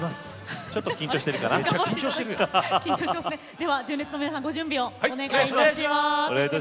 では純烈の皆さんご準備をお願いいたします。